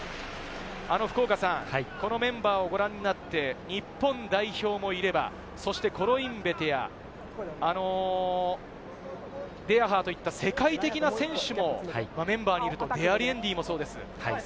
福岡さん、このメンバーをご覧になって、日本代表もいればコロインベテやデヤハーといった、世界的な選手もメンバーにいると、デアリエンディもそうです。